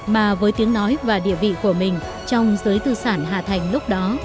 mà với tiếng nói và địa vị của mình trong giới tư sản hà thành lúc đó